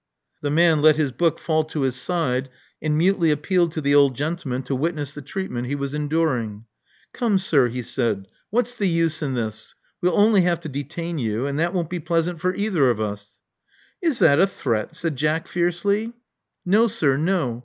The man let his book fall to his side, and mutely appealed to the old gentleman to witness the treat ment he was enduring. Come, sir, he said, what*s the use in this? We*ll only have to detain you; and that won't be pleasant for either of us. Is that a threat?*' said Jack fiercely. No, sir, no.